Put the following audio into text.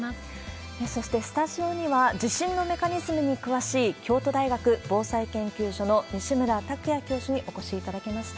そして、スタジオには、地震のメカニズムに詳しい京都大学防災研究所の西村卓也教授にお越しいただきました。